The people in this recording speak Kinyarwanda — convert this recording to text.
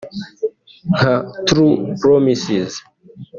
nka True Promises